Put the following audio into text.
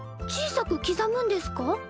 小さく刻むんですか？